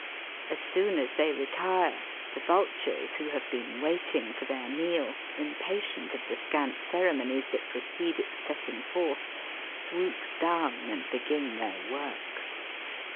As soon as they retire the vultures who have been waiting for their meal, impatient of the scant ceremonies that precede its setting forth, swoop down and begin their work.